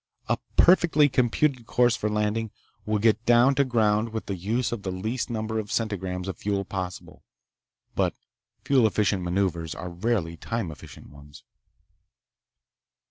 A perfectly computed course for landing will get down to ground with the use of the least number of centigrams of fuel possible. But fuel efficient maneuvers are rarely time efficient ones.